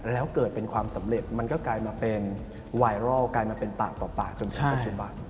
แล้วเกิดเป็นความสำเร็จมันก็กลายมาเป็นไวรัลกลายมาเป็นปากต่อปากจนถึงปัจจุบัน